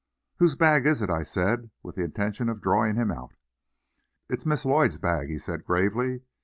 "Whose bag is it?" I said, with the intention of drawing him out. "It's Miss Lloyd's bag," he said gravely.